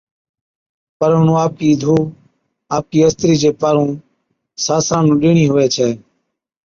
پر اونھُون آپَڪِي ڌُو آپَڪِي استرِي چي پارُون ساسران نُون ڏيڻِي ھُوي ڇَي،